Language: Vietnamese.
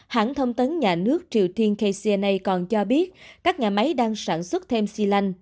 hãng thông tấn nhà nước triều tiên kcna còn cho biết các nhà máy đang sản xuất thêm xi lanh